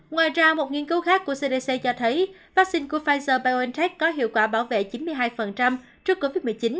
ngoài ra một nghiên cứu khác của cdc cho thấy vaccine của pfizer biontech có hiệu quả bảo vệ chín mươi hai trước covid một mươi chín